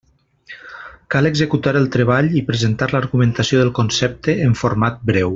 Cal executar el treball i presentar l'argumentació del concepte en format breu.